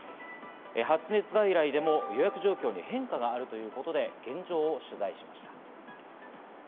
発熱外来でも予約状況に変化があるということで現状を取材しました。